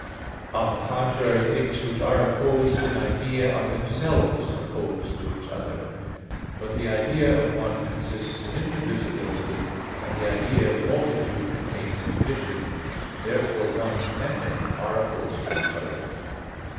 On the contrary, Things which are opposed in idea, are themselves opposed to each other. But the idea of "one" consists in indivisibility; and the idea of "multitude" contains division. Therefore "one" and "many" are opposed to each other.